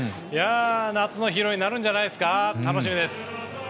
夏のヒーローになるんじゃないですか。